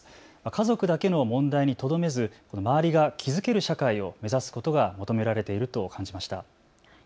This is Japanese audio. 家族だけの問題にとどめず周りが気付ける社会を目指すことが求められていると感じました。